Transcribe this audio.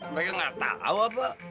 mereka gak tau apa